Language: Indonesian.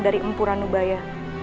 dari empura nubaya